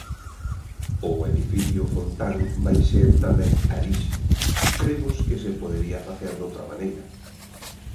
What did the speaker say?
O edificio Fontán vai ser, tamén, carísimo; cremos que se podería facer doutra maneira.